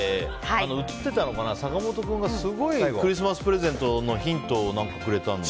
映ってたのかな、坂本君がすごい、クリスマスプレゼントのヒントをくれたんです。